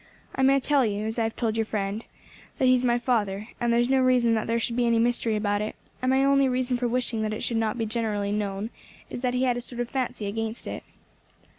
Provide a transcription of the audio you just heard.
I may tell you, as I have told your friend, that he is my father; there is no reason that there should be any mystery about it, and my only reason for wishing that it should not be generally known is that he had a sort of fancy against it."